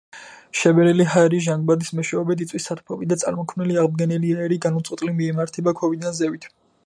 შებერილი ჰაერის ჟანგბადის მეშვეობით იწვის სათბობი და წარმოქმნილი აღმდგენელი აირი განუწყვეტლივ მიემართება ქვევიდან ზევით.